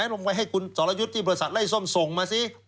ลงไปให้คุณสรยุทธ์ที่บริษัทไล่ส้มส่งมาสิ